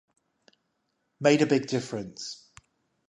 Made a big difference.